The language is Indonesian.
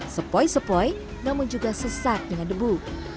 sepoy sepoy namun juga sesat dengan debu